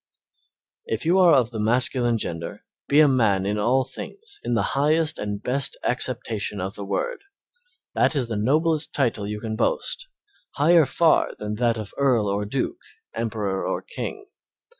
If you are of the masculine gender be a man in all things in the highest and best acceptation of the word. That is the noblest title you can boast, higher far than that of earl or duke, emperor or king.